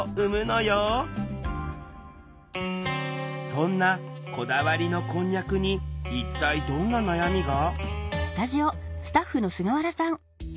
そんなこだわりのこんにゃくに一体どんな悩みが？